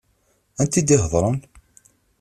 Anta i d-iheḍṛen?